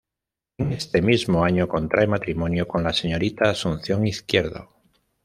En este mismo año, contrae matrimonio con la señorita Asunción Izquierdo.